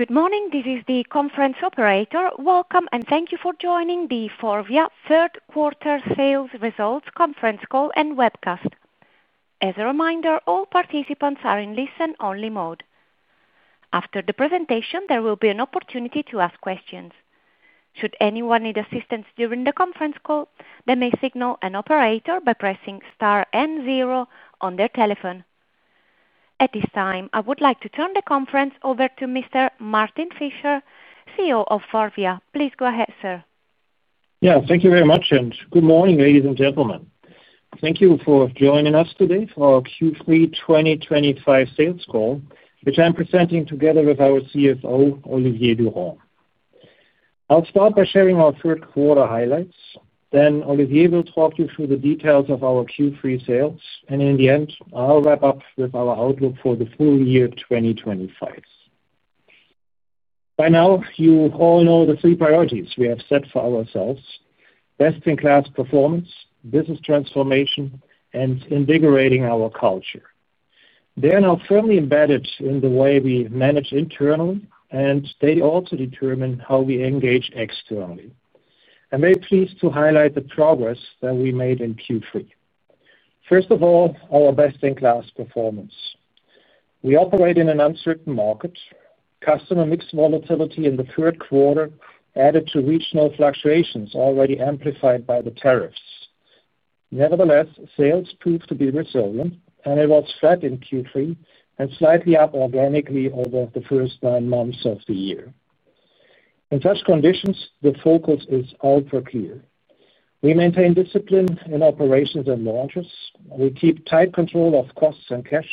Good morning. This is the conference operator. Welcome and thank you for joining the FORVIA third quarter sales results conference call and webcast. As a reminder, all participants are in listen-only mode. After the presentation, there will be an opportunity to ask questions. Should anyone need assistance during the conference call, they may signal an operator by pressing star and zero on their telephone. At this time, I would like to turn the conference over to Mr. Martin Fischer, CEO of FORVIA. Please go ahead, sir. Thank you very much, and good morning, ladies and gentlemen. Thank you for joining us today for our Q3 2025 sales call, which I'm presenting together with our CFO, Olivier Durand. I'll start by sharing our third quarter highlights. Olivier will talk you through the details of our Q3 sales, and in the end, I'll wrap up with our outlook for the full year 2025. By now, you all know the three priorities we have set for ourselves: best-in-class performance, business transformation, and invigorating our culture. They are now firmly embedded in the way we manage internally, and they also determine how we engage externally. I'm very pleased to highlight the progress that we made in Q3. First of all, our best-in-class performance. We operate in an uncertain market. Customer mix volatility in the third quarter added to regional fluctuations already amplified by the tariffs. Nevertheless, sales proved to be resilient, and it was flat in Q3 and slightly up organically over the first nine months of the year. In such conditions, the focus is ultra-clear. We maintain discipline in operations and launches. We keep tight control of costs and cash,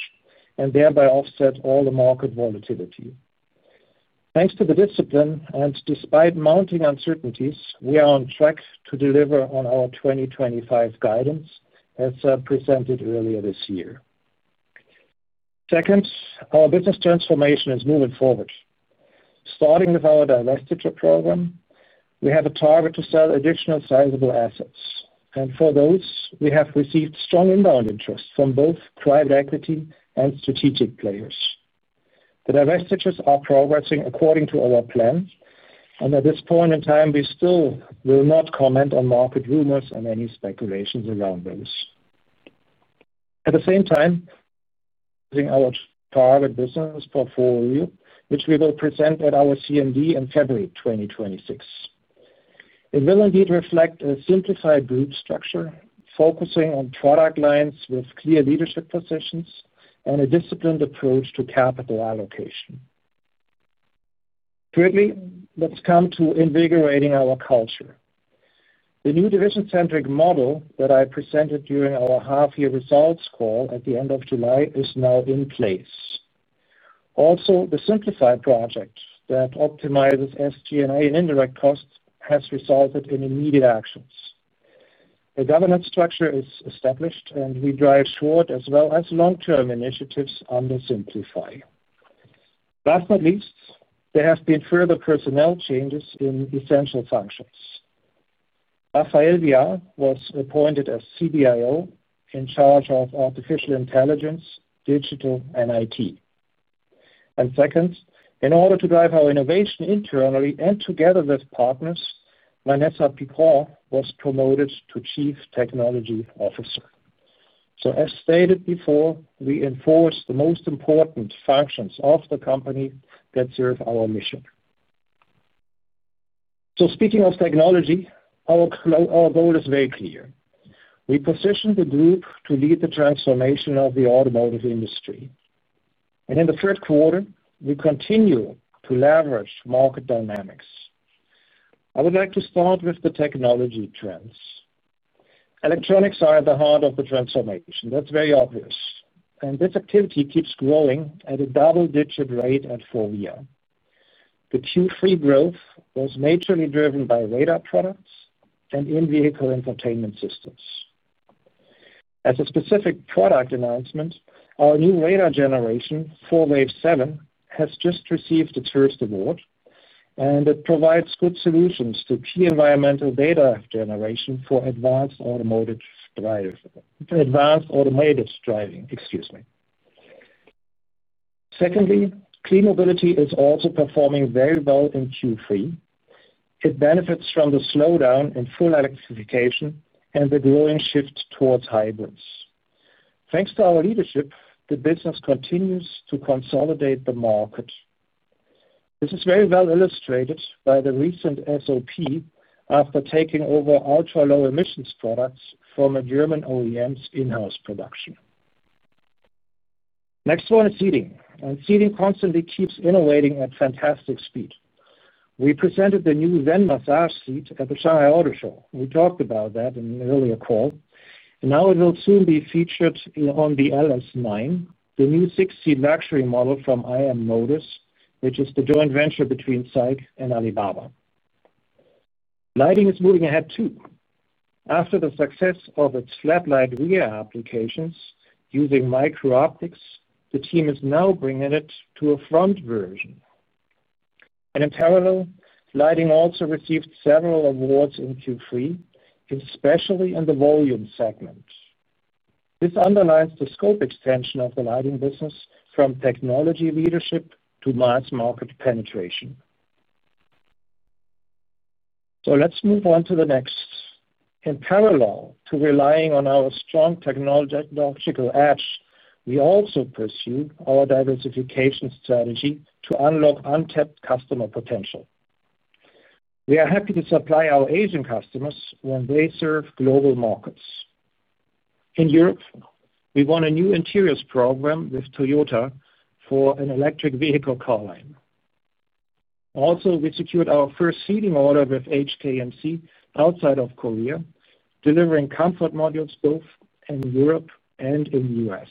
and thereby offset all the market volatility. Thanks to the discipline and despite mounting uncertainties, we are on track to deliver on our 2025 guidance as presented earlier this year. Second, our business transformation is moving forward. Starting with our divestiture program, we have a target to sell additional sizable assets. For those, we have received strong inbound interest from both private equity and strategic players. The divestitures are progressing according to our plan, and at this point in time, we still will not comment on market rumors and any speculations around those. At the same time, our target business portfolio, which we will present at our CMD in February 2026, will indeed reflect a simplified group structure, focusing on product lines with clear leadership positions and a disciplined approach to capital allocation. Thirdly, let's come to invigorating our culture. The new division-centric model that I presented during our half-year results call at the end of July is now in place. Also, the SIMPLIFY Project that optimizes SG&A and indirect costs has resulted in immediate actions. The governance structure is established, and we drive short as well as long-term initiatives under SIMPLIFY. Last but not least, there have been further personnel changes in essential functions. Raphaël Viard was appointed as CDIO in charge of artificial intelligence, digital, and IT. Second, in order to drive our innovation internally and together with partners, Vanessa Picron was promoted to Chief Technology Officer. As stated before, we enforce the most important functions of the company that serve our mission. Speaking of technology, our goal is very clear. We positioned the group to lead the transformation of the automotive industry. In the third quarter, we continue to leverage market dynamics. I would like to start with the technology trends. Electronics are at the heart of the transformation. That's very obvious. This activity keeps growing at a double-digit rate at FORVIA. The Q3 growth was majorly driven by radar products and in-vehicle infotainment systems. As a specific product announcement, our new radar generation, ForWave7, has just received its first award, and it provides good solutions to key environmental data generation for advanced automated driving. Excuse me. Clean Mobility is also performing very well in Q3. It benefits from the slowdown in full electrification and the growing shift towards hybrids. Thanks to our leadership, the business continues to consolidate the market. This is very well illustrated by the recent SOP after taking over ultra-low emissions products from a German OEM's in-house production. Next one is Seating, and Seating constantly keeps innovating at fantastic speed. We presented the new Zen Massage Seat at the Shanghai Autoshow. We talked about that in an earlier call. Now it will soon be featured on the LS9, the new six-seat luxury model from IM Motors, which is the joint venture between SAIC and Alibaba. Lighting is moving ahead too. After the success of its flat light rear applications using micro-optics, the team is now bringing it to a front version. In parallel, Lighting also received several awards in Q3, especially in the volume segment. This underlines the scope extension of the Lighting business from technology leadership to mass market penetration. Let's move on to the next. In parallel to relying on our strong technological edge, we also pursue our diversification strategy to unlock untapped customer potential. We are happy to supply our Asian customers when they serve global markets. In Europe, we won a new Interiors program with Toyota for an electric vehicle car line. Also, we secured our first Seating order with HKMC outside of Korea, delivering comfort modules both in Europe and in the U.S.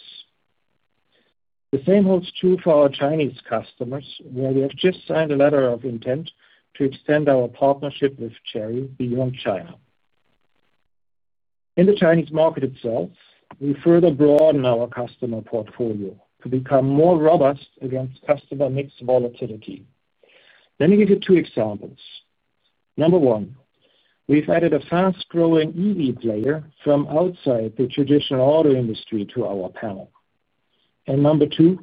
The same holds true for our Chinese customers, where we have just signed a letter of intent to extend our partnership with Chery beyond China. In the Chinese market itself, we further broaden our customer portfolio to become more robust against customer mix volatility. Let me give you two examples. Number one, we've added a fast-growing EV player from outside the traditional auto industry to our panel. Number two,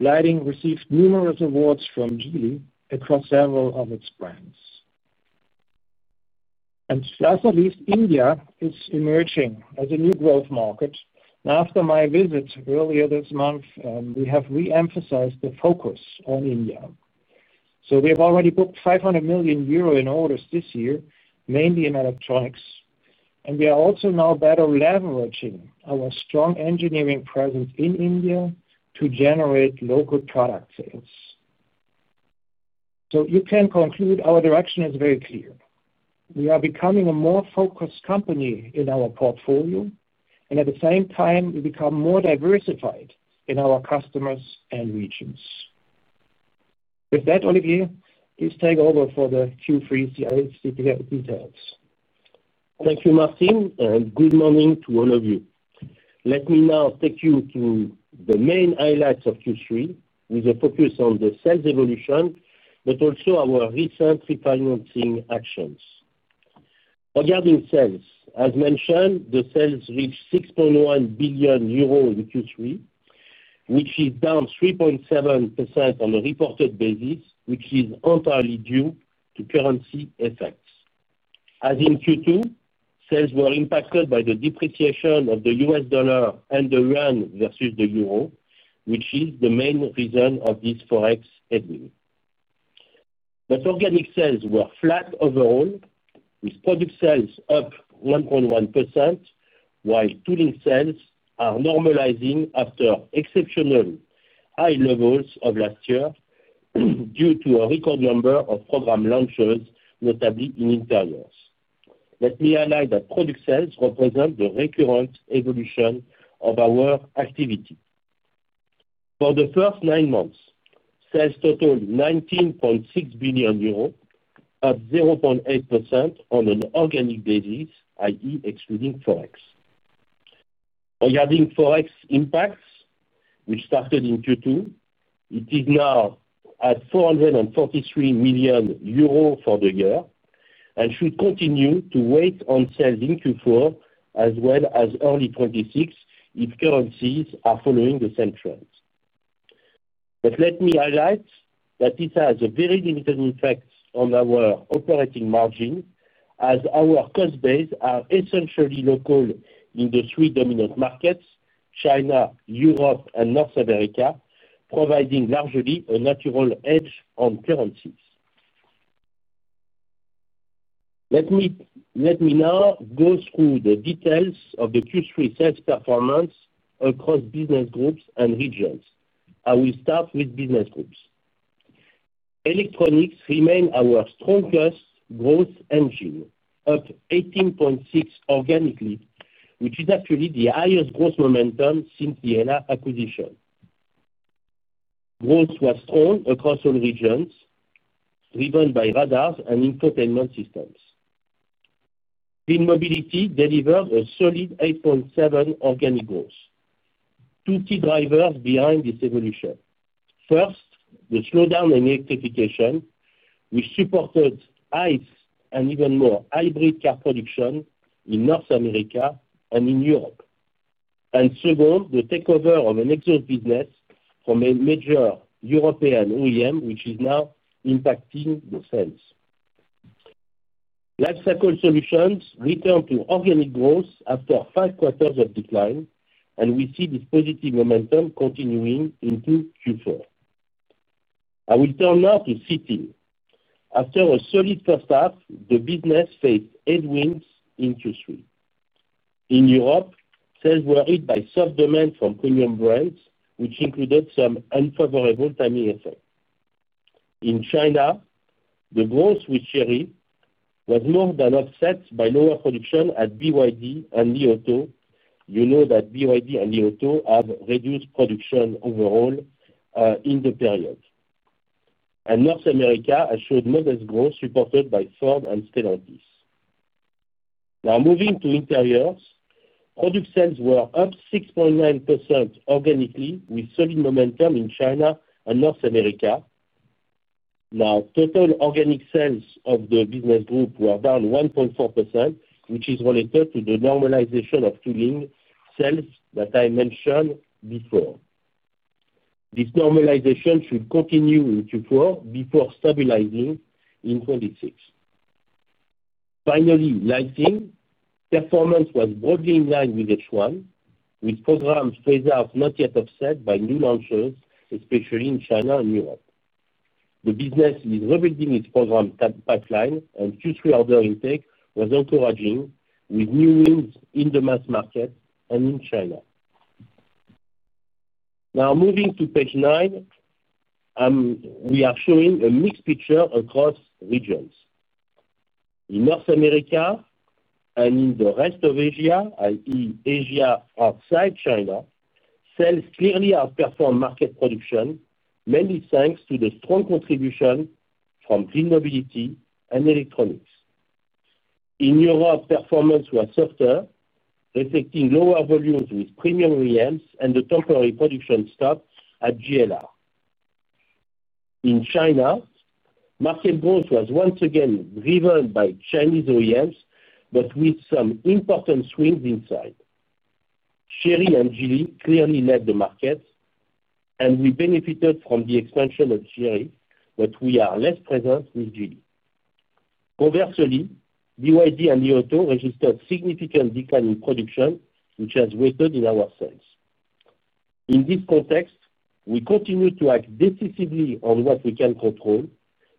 Lighting received numerous awards from Geely across several of its brands. Last but not least, India is emerging as a new growth market. After my visit earlier this month, we have re-emphasized the focus on India. We have already booked 500 million euro in orders this year, mainly in Electronics. We are also now better leveraging our strong engineering presence in India to generate local product sales. You can conclude our direction is very clear. We are becoming a more focused company in our portfolio, and at the same time, we become more diversified in our customers and regions. With that, Olivier, please take over for the Q3 details. Thank you, Martin, and good morning to all of you. Let me now take you to the main highlights of Q3 with a focus on the sales evolution, but also our recent financing actions. Regarding sales, as mentioned, the sales reached 6.1 billion euro in Q3, which is down 3.7% on a reported basis, which is entirely due to currency effects. As in Q2, sales were impacted by the depreciation of the U.S. dollar and the Yuan versus the Euro, which is the main reason of this Forex headwind. Organic sales were flat overall, with product sales up 1.1%, while tooling sales are normalizing after exceptionally high levels of last year due to a record number of program launches, notably in Interiors. Let me highlight that product sales represent the recurrent evolution of our activity. For the first nine months, sales totaled 19.6 billion euros, up 0.8% on an organic basis, i.e., excluding Forex. Regarding Forex impacts, which started in Q2, it is now at 443 million euros for the year and should continue to weigh on sales in Q4 as well as early Q2 if currencies are following the same trends. Let me highlight that this has a very limited effect on our operating margin as our cost base is essentially local in the three dominant markets: China, Europe, and North America, providing largely a natural edge on currencies. Let me now go through the details of the Q3 sales performance across business groups and regions. I will start with business groups. Electronics remains our strongest growth engine, up 18.6% organically, which is actually the highest growth momentum since the HELLA acquisition. Growth was strong across all regions, driven by radars and infotainment systems. Clean Mobility delivered a solid 8.7% organic growth. Two key drivers behind this evolution. First, the slowdown in electrification, which supported ICE and even more hybrid car production in North America and in Europe. Second, the takeover of an export business from a major European OEM, which is now impacting the sales. Lifecycle Solutions returned to organic growth after five quarters of decline, and we see this positive momentum continuing into Q4. I will turn now to Seating. After a solid first half, the business faced headwinds in Q3. In Europe, sales were hit by soft demand from premium brands, which included some unfavorable timing effects. In China, the growth with Chery was more than offset by lower production at BYD and Li Auto. You know that BYD and Li Auto have reduced production overall in the period. North America has shown modest growth supported by Ford and Stellantis. Now, moving to Interiors, product sales were up 6.9% organically, with solid momentum in China and North America. Total organic sales of the business group were down 1.4%, which is related to the normalization of tooling sales that I mentioned before. This normalization should continue in Q4 before stabilizing in Q6. Finally, Lighting performance was broadly in line with H1, with programs phased out not yet offset by new launches, especially in China and Europe. The business is rebuilding its program pipeline, and Q3 order intake was encouraging with new wins in the mass market and in China. Now, moving to page nine, we are showing a mixed picture across regions. In North America and in the rest of Asia, i.e., Asia outside China, sales clearly outperformed market production, mainly thanks to the strong contribution from Clean Mobility and Electronics. In Europe, performance was softer, reflecting lower volumes with premium OEMs and the temporary production stop at JLR. In China, market growth was once again driven by Chinese OEMs, but with some important swings inside. Chery and Geely clearly led the market, and we benefited from the expansion of Chery, but we are less present with Geely. Conversely, BYD and Li Auto registered a significant decline in production, which has weighted in our sales. In this context, we continue to act decisively on what we can control,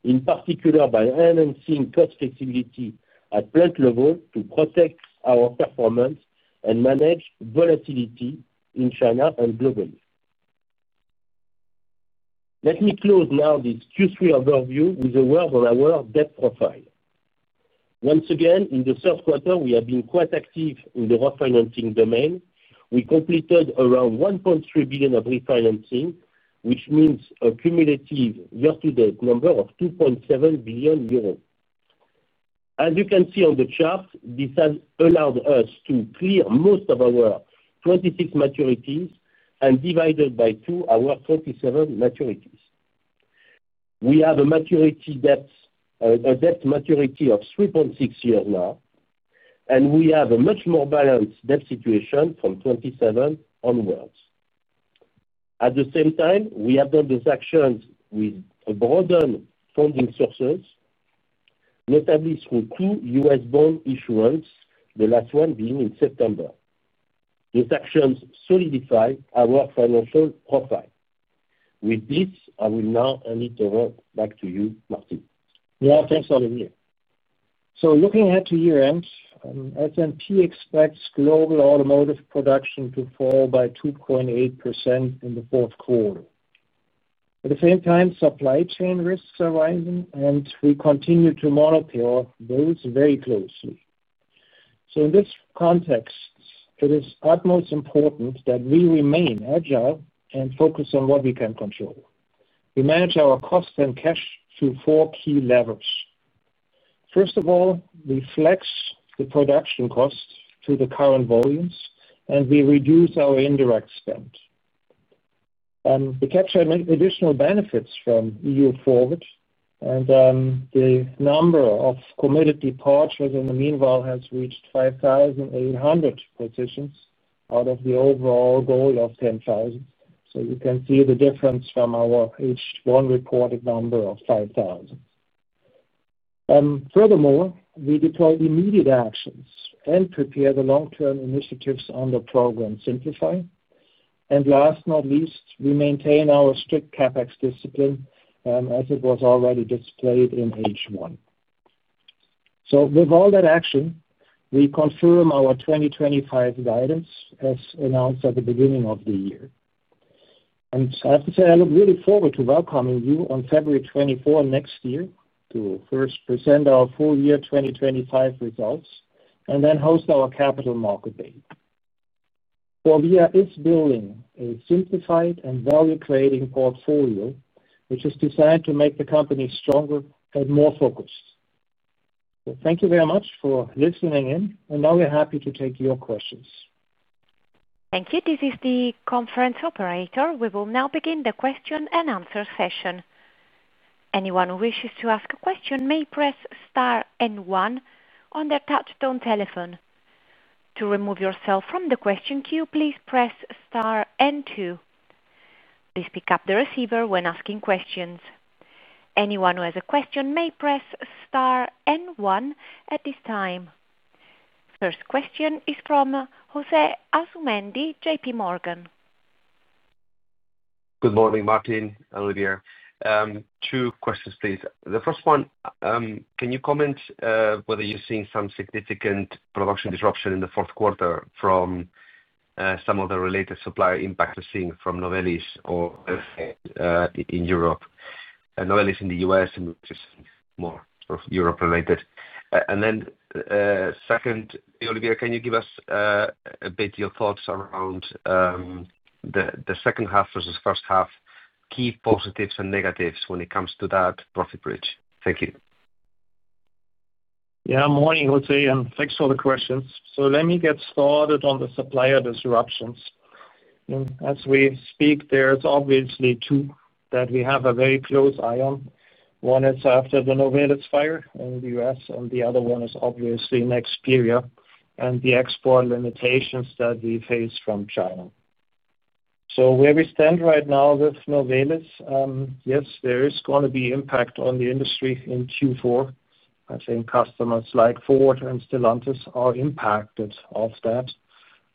in particular by enhancing cost flexibility at plant level to protect our performance and manage volatility in China and globally. Let me close now this Q3 overview with a word on our debt profile. Once again, in the third quarter, we have been quite active in the refinancing domain. We completed around 1.3 billion of refinancing, which means a cumulative year-to-date number of 2.7 billion euros. As you can see on the chart, this has allowed us to clear most of our 2026 maturities and divide by two our 2027 maturities. We have a debt maturity of 3.6 years now, and we have a much more balanced debt situation from 2027 onwards. At the same time, we have done those actions with broadened funding sources, notably through two U.S. bond issuances, the last one being in September. Those actions solidify our financial profile. With this, I will now hand it over back to you, Martin. Yeah, thanks, Olivier. Looking ahead to year-end, S&P expects global automotive production to fall by 2.8% in the fourth quarter. At the same time, supply chain risks are rising, and we continue to monitor those very closely. In this context, it is utmost important that we remain agile and focus on what we can control. We manage our costs and cash through four key levers. First of all, we flex the production costs to the current volumes, and we reduce our indirect spend. We capture additional benefits from EU Forward, and the number of committed departures in the meanwhile has reached 5,800 positions out of the overall goal of 10,000. You can see the difference from our H1 reported number of 5,000. Furthermore, we deploy immediate actions and prepare the long-term initiatives on the program SIMPLIFY. Last but not least, we maintain our strict CapEx discipline, as it was already displayed in H1. With all that action, we confirm our 2025 guidance as announced at the beginning of the year. I have to say, I look really forward to welcoming you on February 24 next year to first present our full-year 2025 results and then host our Capital Market Day. FORVIA is building a simplified and value-creating portfolio, which is designed to make the company stronger and more focused. Thank you very much for listening in, and now we're happy to take your questions. Thank you. This is the conference operator. We will now begin the question-and-answer session. Anyone who wishes to ask a question may press star and one on their touch-tone telephone. To remove yourself from the question queue, please press star and two. Please pick up the receiver when asking questions. Anyone who has a question may press star and one at this time. First question is from José Asumendi, JPMorgan. Good morning, Martin, Olivier. Two questions, please. The first one, can you comment whether you're seeing some significant production disruption in the fourth quarter from some of the related supply impacts we're seeing from Novelis or in Europe? Novelis in the U.S., which is more sort of Europe-related. Second, Olivier, can you give us a bit of your thoughts around the second half versus first half, key positives and negatives when it comes to that profit bridge? Thank you. Yeah, morning, Jose, and thanks for the questions. Let me get started on the supplier disruptions. As we speak, there are obviously two that we have a very close eye on. One is after the Novelis fire in the U.S., and the other one is Nexperia and the export limitations that we face from China. Where we stand right now with Novelis, yes, there is going to be impact on the industry in Q4. I think customers like Ford and Stellantis are impacted off that.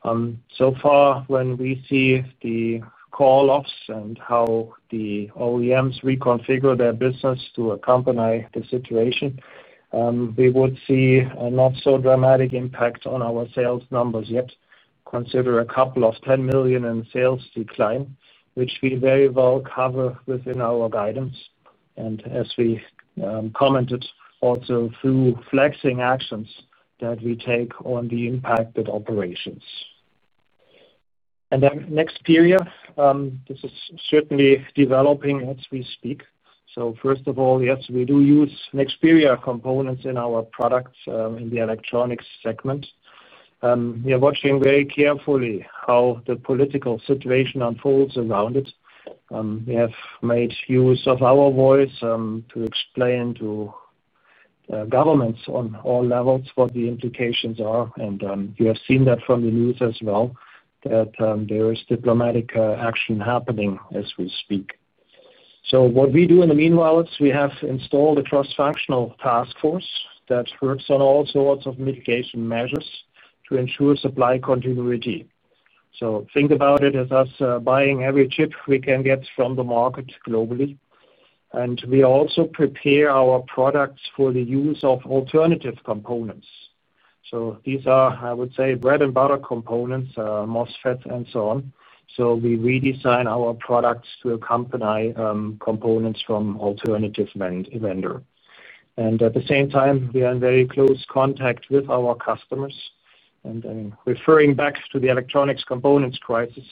So far, when we see the call-offs and how the OEMs reconfigure their business to accompany the situation, we would see a not-so-dramatic impact on our sales numbers yet. Consider a couple of 10 million in sales decline, which we very well cover within our guidance, and as we commented also through flexing actions that we take on the impacted operations. Nexperia, this is certainly developing as we speak. First of all, yes, we do use next-period components in our products, in the Electronics segment. We are watching very carefully how the political situation unfolds around it. We have made use of our voice to explain to governments on all levels what the implications are. You have seen that from the news as well, that there is diplomatic action happening as we speak. What we do in the meanwhile is we have installed a cross-functional task force that works on all sorts of mitigation measures to ensure supply continuity. Think about it as us buying every chip we can get from the market globally. We also prepare our products for the use of alternative components. These are, I would say, bread-and-butter components, MOSFETs, and so on. We redesign our products to accompany components from alternative vendors. At the same time, we are in very close contact with our customers. Referring back to the electronics components crisis,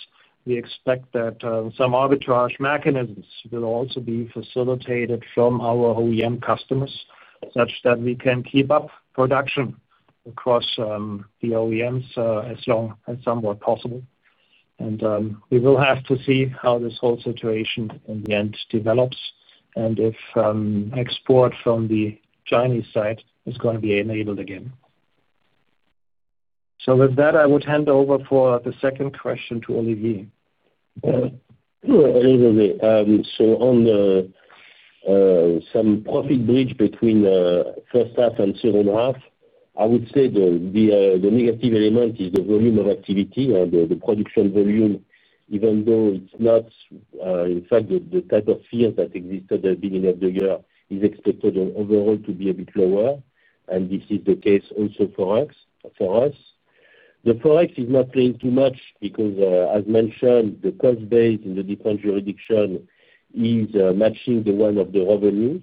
we expect that some arbitrage mechanisms will also be facilitated from our OEM customers, such that we can keep up production across the OEMs, as long as somewhat possible. We will have to see how this whole situation in the end develops, and if export from the Chinese side is going to be enabled again. With that, I would hand over for the second question to Olivier. On the profit bridge between first half and second half, I would say the negative element is the volume of activity and the production volume, even though it's not, in fact, the type of fear that existed at the beginning of the year is expected overall to be a bit lower. This is the case also for us. The Forex is not playing too much because, as mentioned, the cost base in the different jurisdictions is matching the one of the revenues.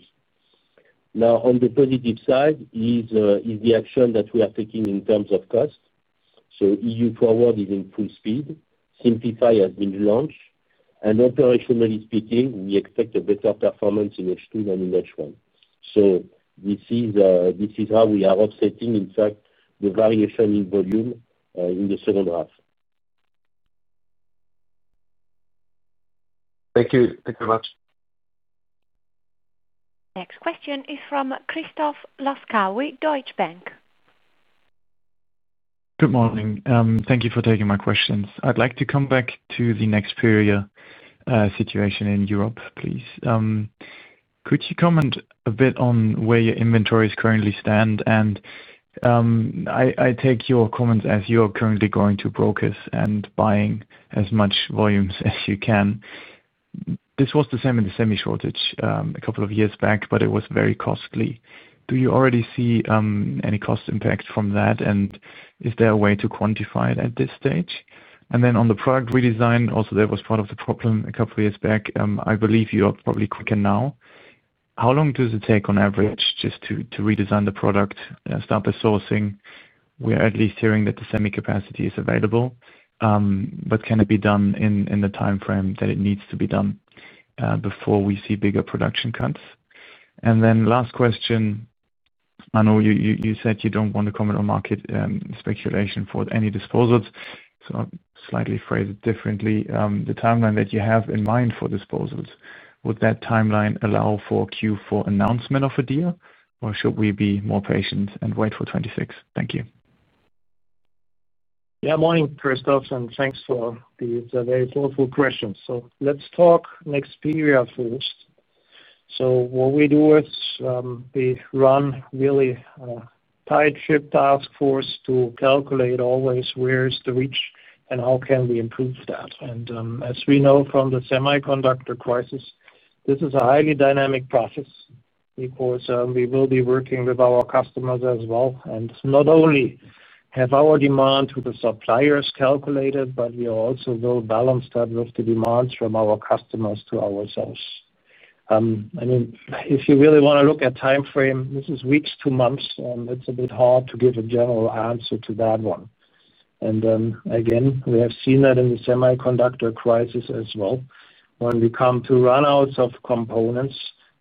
On the positive side is the action that we are taking in terms of cost. EU Forward is in full speed. SIMPLIFY has been launched. Operationally speaking, we expect a better performance in H2 than in H1. This is how we are offsetting, in fact, the variation in volume in the second half. Thank you. Thank you very much. Next question is from Christoph Laskawi, Deutsche Bank. Good morning. Thank you for taking my questions. I'd like to come back to the Nexperia, situation in Europe, please. Could you comment a bit on where your inventories currently stand? I take your comments as you are currently going to brokers and buying as much volumes as you can. This was the same in the semi-shortage a couple of years back, but it was very costly. Do you already see any cost impact from that? Is there a way to quantify it at this stage? On the product redesign, also, that was part of the problem a couple of years back. I believe you are probably quicker now. How long does it take on average just to redesign the product, start the sourcing? We are at least hearing that the semi-capacity is available. Can it be done in the timeframe that it needs to be done, before we see bigger production cuts? Last question. I know you said you don't want to comment on market speculation for any disposals. I'll slightly phrase it differently. The timeline that you have in mind for disposals, would that timeline allow for Q4 announcement of a deal, or should we be more patient and wait for 2026? Thank you. Yeah, morning, Christoph, and thanks for these very thoughtful questions. Let's talk Nexperia first. What we do is, we run a really tight ship task force to calculate always where is the reach and how can we improve that. As we know from the semiconductor crisis, this is a highly dynamic process because we will be working with our customers as well. Not only have our demand to the suppliers calculated, but we also will balance that with the demands from our customers to ourselves. If you really want to look at timeframe, this is weeks to months, and it's a bit hard to give a general answer to that one. We have seen that in the semiconductor crisis as well. When we come to runouts of components,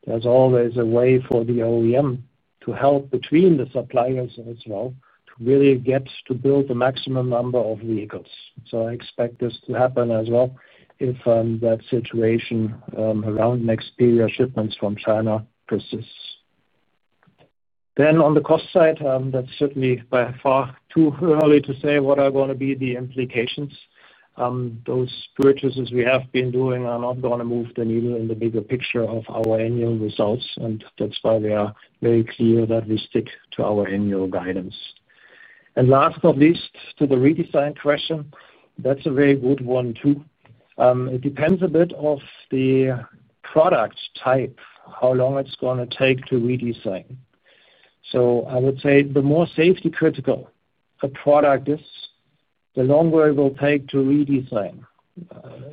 there's always a way for the OEM to help between the suppliers as well to really get to build the maximum number of vehicles. I expect this to happen as well if that situation around Nexperia shipments from China persists. On the cost side, that's certainly by far too early to say what are going to be the implications. Those purchases we have been doing are not going to move the needle in the bigger picture of our annual results. That's why we are very clear that we stick to our annual guidance. Last but not least, to the redesign question, that's a very good one too. It depends a bit on the product type, how long it's going to take to redesign. I would say the more safety-critical a product is, the longer it will take to redesign.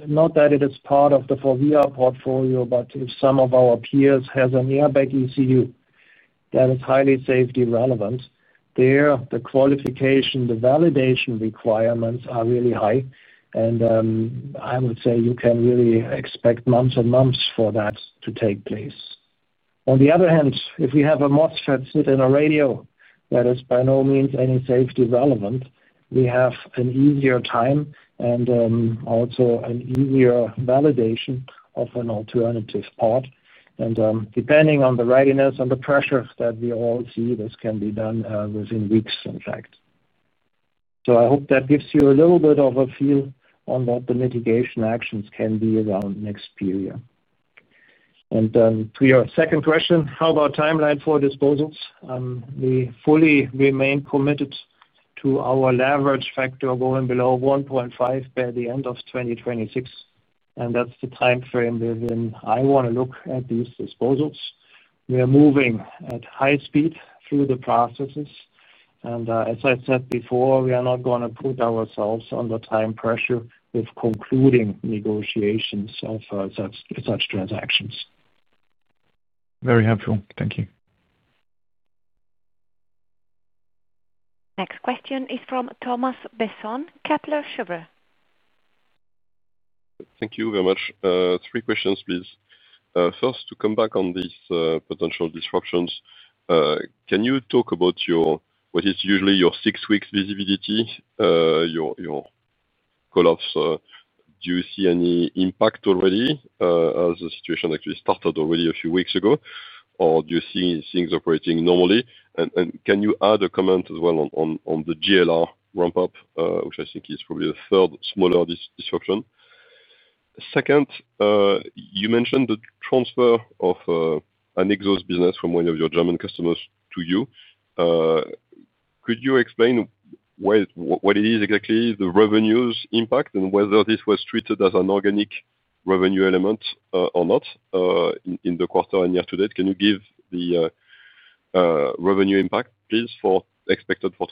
Not that it is part of the FORVIA portfolio, but if some of our peers have an Airbag ECU, that is highly safety relevant. There, the qualification, the validation requirements are really high. I would say you can really expect months and months for that to take place. On the other hand, if we have a MOSFET sitting in a radio that is by no means any safety relevant, we have an easier time and also an easier validation of an alternative part. Depending on the readiness and the pressure that we all see, this can be done within weeks, in fact. I hope that gives you a little bit of a feel on what the mitigation actions can be around Nexperia. To your second question, how about timeline for disposals? We fully remain committed to our leverage factor going below 1.5% by the end of 2026. That's the timeframe within I want to look at these disposals. We are moving at high speed through the processes. As I said before, we are not going to put ourselves under time pressure with concluding negotiations of such transactions. Very helpful. Thank you. Next question is from Thomas Besson, Kepler Cheuvreux. Thank you very much. Three questions, please. First, to come back on these potential disruptions, can you talk about your, what is usually your six-week visibility, your call-offs? Do you see any impact already, as the situation actually started already a few weeks ago, or do you see things operating normally? Can you add a comment as well on the JLR ramp-up, which I think is probably a third smaller disruption? Second, you mentioned the transfer of an exhaust business from one of your German customers to you. Could you explain what it is exactly, the revenues impact, and whether this was treated as an organic revenue element or not in the quarter and year to date? Can you give the revenue impact, please, for expected for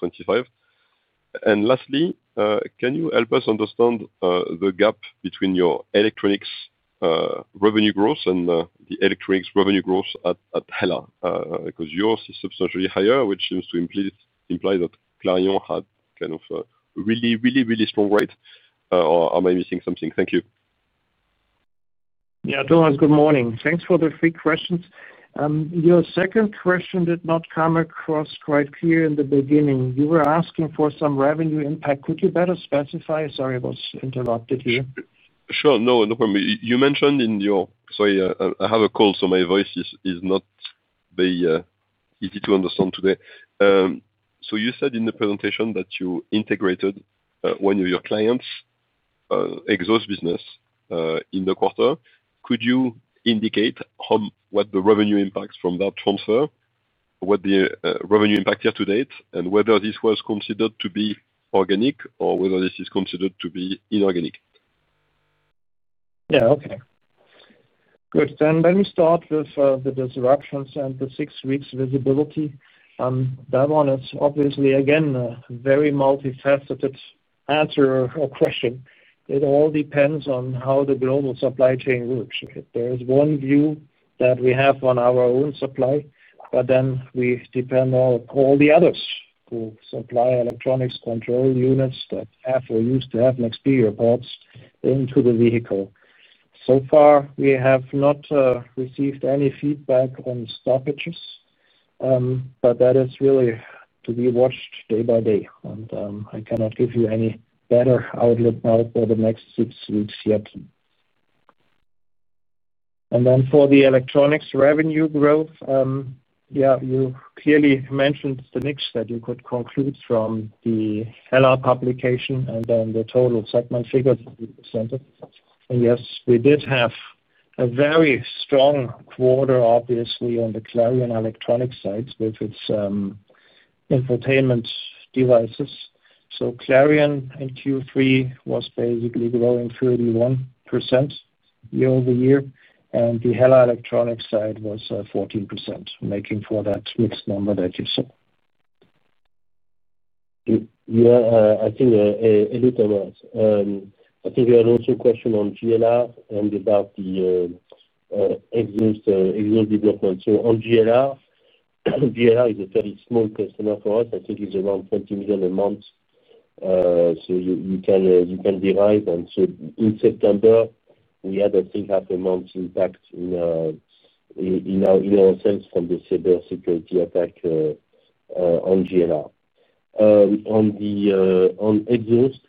2025? Lastly, can you help us understand the gap between your electronics revenue growth and the electronics revenue growth at HELLA? Because yours is substantially higher, which seems to imply that Clarion had kind of a really, really, really strong rate. Or am I missing something? Thank you. Yeah, Thomas, good morning. Thanks for the three questions. Your second question did not come across quite clear in the beginning. You were asking for some revenue impact. Could you better specify? Sorry, I was interrupted here. Sure. No problem. You mentioned in your, sorry, I have a cold, so my voice is not very easy to understand today. You said in the presentation that you integrated one of your clients' exhaust business in the quarter. Could you indicate what the revenue impacts from that transfer, what the revenue impact year to date, and whether this was considered to be organic or whether this is considered to be inorganic? Okay. Good. Let me start with the disruptions and the six-week visibility. That one is obviously, again, a very multifaceted answer or question. It all depends on how the global supply chain works. There is one view that we have on our own supply, but then we depend on all the others who supply electronics control units that have or used to have next-tier parts into the vehicle. So far, we have not received any feedback on stoppages, but that is really to be watched day by day. I cannot give you any better outlook now for the next six weeks yet. For the electronics revenue growth, you clearly mentioned the mix that you could conclude from the HELLA publication and then the total segment figure that you presented. Yes, we did have a very strong quarter, obviously, on the Clarion Electronics sites with its infotainment devices. Clarion in Q3 was basically growing 31% year-over-year, and the HELLA Electronics site was 14%, making for that mixed number that you saw. Yeah, I think a little bit about, I think we had also a question on JLR and about the exhaust development. On JLR, JLR is a very small customer for us. I think it's around 20 million a month. You can derive. In September, we had, I think, half a month impact in our sales from the cybersecurity attack on JLR. On the exhaust,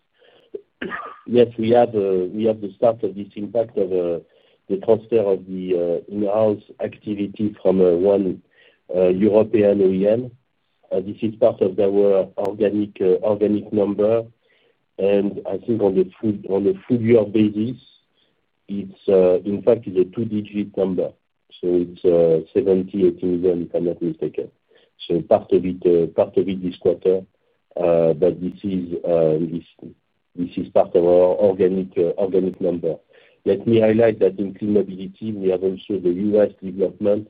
yes, we have the start of this impact of the transfer of the in-house activity from one European OEM. This is part of our organic number. I think on the full-year basis, it's, in fact, it's a two-digit number. It's 70 million, 80 million, if I'm not mistaken. Part of it, part of it this quarter, but this is part of our organic number. Let me highlight that in Clean Mobility, we have also the U.S. development,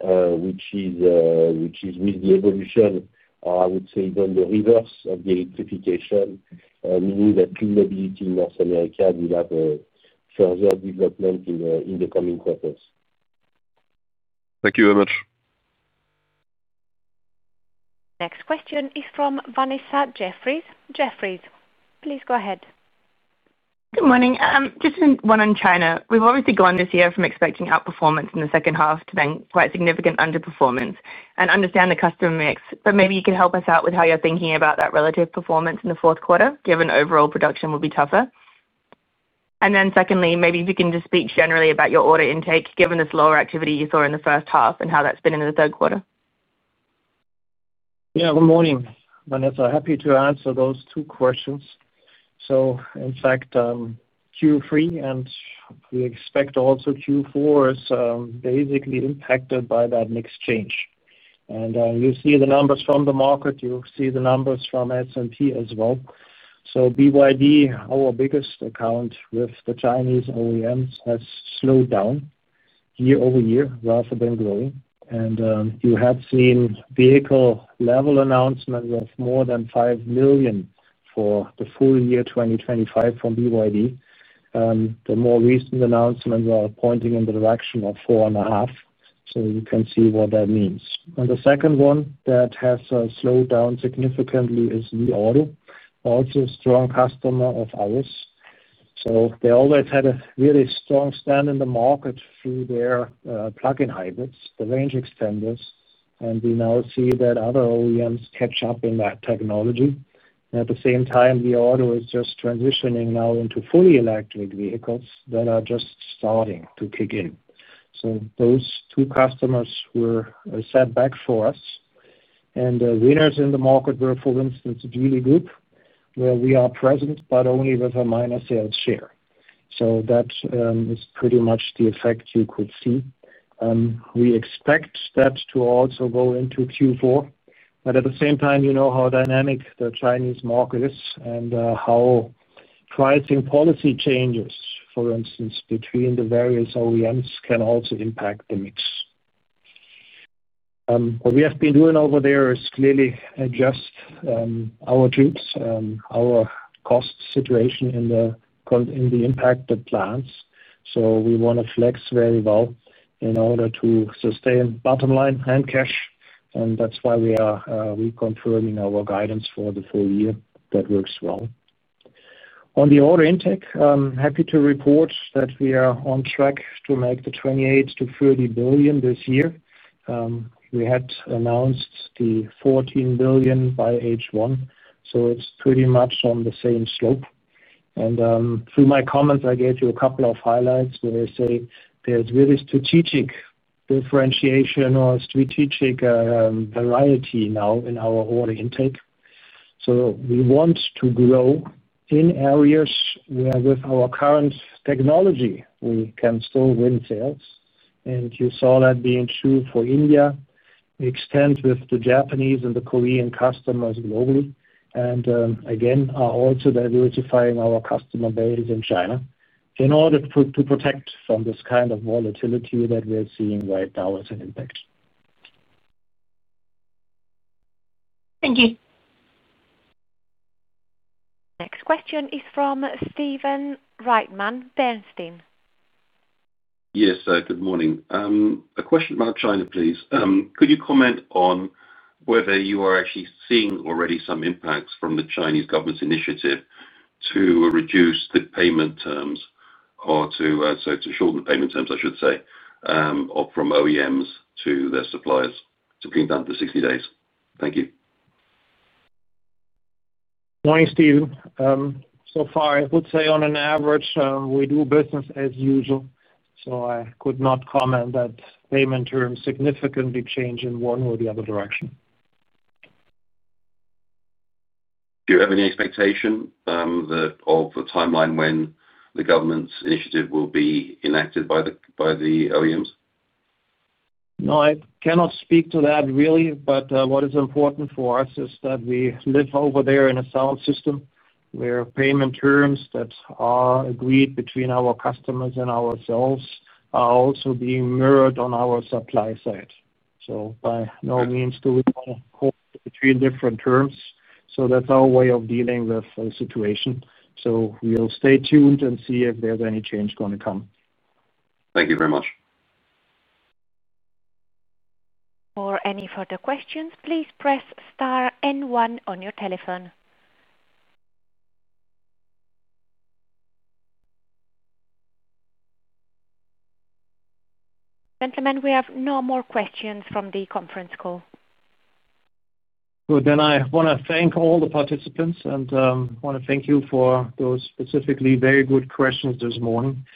which is with the evolution, or I would say even the reverse of the electrification, meaning that Clean Mobility in North America will have a further development in the coming quarters. Thank you very much. Next question is from Vanessa Jeffriess, Jefferies. Please go ahead. Good morning. Just in one on China. We've obviously gone this year from expecting outperformance in the second half to then quite significant underperformance. I understand the customer mix, but maybe you could help us out with how you're thinking about that relative performance in the fourth quarter given overall production will be tougher. Secondly, maybe if you can just speak generally about your order intake given this lower activity you saw in the first half and how that's been in the third quarter. Yeah, good morning, Vanessa. Happy to answer those two questions. In fact, Q3 and we expect also Q4 is basically impacted by that mix change. You see the numbers from the market. You see the numbers from S&P as well. BYD, our biggest account with the Chinese OEMs, has slowed down year-over-year rather than growing. You have seen vehicle level announcements of more than 5 million for the full year 2025 from BYD. The more recent announcements are pointing in the direction of 4.5 million. You can see what that means. The second one that has slowed down significantly is Li Auto, also a strong customer of ours. They always had a really strong stand in the market through their plug-in hybrids, the range extenders. We now see that other OEMs catch up in that technology. At the same time, Li Auto is just transitioning now into fully electric vehicles that are just starting to kick in. Those two customers were a setback for us. The winners in the market were, for instance, the Geely Group, where we are present but only with a minor sales share. That is pretty much the effect you could see. We expect that to also go into Q4. At the same time, you know how dynamic the Chinese market is and how pricing policy changes, for instance, between the various OEMs can also impact the mix. What we have been doing over there is clearly adjust our tubes, our cost situation in the impacted plants. We want to flex very well in order to sustain bottom line and cash. That's why we are reconfirming our guidance for the full year. That works well. On the order intake, I'm happy to report that we are on track to make the 28 billion-30 billion this year. We had announced the 14 billion by H1. It's pretty much on the same slope. Through my comments, I gave you a couple of highlights where I say there's really strategic differentiation or strategic variety now in our order intake. We want to grow in areas where, with our current technology, we can still win sales. You saw that being true for India. We extend with the Japanese and the Korean customers globally. Again, we are also diversifying our customer base in China in order to protect from this kind of volatility that we're seeing right now as an impact. Thank you. Next question is from Stephen Reitman, Bernstein. Yes, good morning. A question about China, please. Could you comment on whether you are actually seeing already some impacts from the Chinese government's initiative to reduce the payment terms, or to shorten the payment terms, I should say, or from OEMs to their suppliers to bring down to 60 days? Thank you. Nice to you. So far, I would say on an average, we do business as usual. I could not comment that payment terms significantly change in one or the other direction. Do you have any expectation of the timeline when the government's initiative will be enacted by the OEMs? No, I cannot speak to that really. What is important for us is that we live over there in a sound system where payment terms that are agreed between our customers and ourselves are also being mirrored on our supply side. By no means do we want to hold between different terms. That's our way of dealing with the situation. We will stay tuned and see if there's any change going to come. Thank you very much. For any further questions, please press star and one on your telephone. Gentlemen, we have no more questions from the conference call. I want to thank all the participants and want to thank you for those specifically very good questions this morning.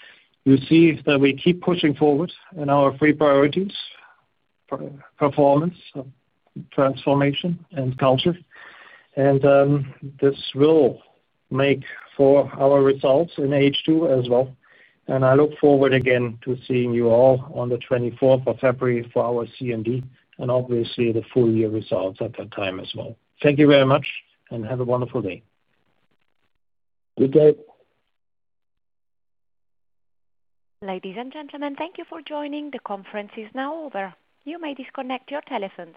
You see that we keep pushing forward in our three priorities: performance, transformation, and culture. This will make for our results in H2 as well. I look forward again to seeing you all on the 24th of February for our CMD and obviously the full-year results at that time as well. Thank you very much and have a wonderful day. Good day. Ladies and gentlemen, thank you for joining. The conference is now over. You may disconnect your telephones.